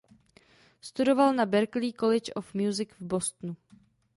Studoval na Berklee College of Music v Bostonu.